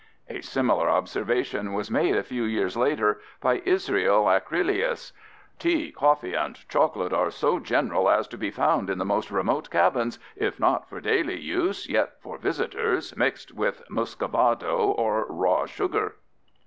" A similar observation was made a few years later by Israel Acrelius: Tea, coffee, and chocolate are so general as to be found in the most remote cabins, if not for daily use, yet for visitors, mixed with Muscovado, or raw sugar.